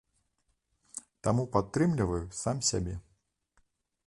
Таму падтрымліваю сам сябе.